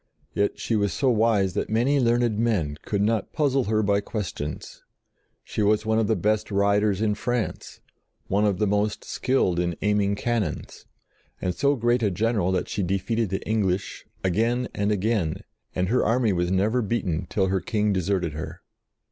Yet she was so wise that many learned men could not puzzle her by questions: she was one of the best riders in France; one of the most skilled in aiming cannons, and so great a general that she defeated the English again and again, and her army was never beaten till her King deserted her.